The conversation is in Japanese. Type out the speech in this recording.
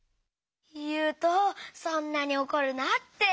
ゆうとそんなにおこるなって。